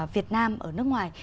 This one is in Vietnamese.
việt nam ở nước ngoài